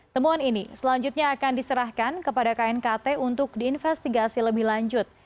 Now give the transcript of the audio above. temuan ini selanjutnya akan diserahkan kepada knkt untuk diinvestigasi lebih lanjut